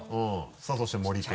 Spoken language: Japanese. さぁそして森君。